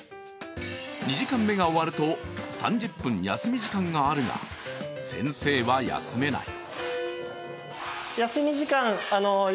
２時間目が終わると３０分休み時間があるが先生は休めない。